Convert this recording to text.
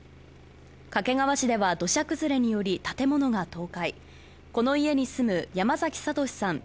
掛川市では土砂崩れにより建物が倒壊この家に住む山崎悟志さん